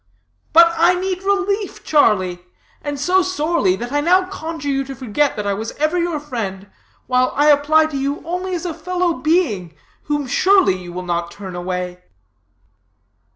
"But I need relief, Charlie; and so sorely, that I now conjure you to forget that I was ever your friend, while I apply to you only as a fellow being, whom, surely, you will not turn away."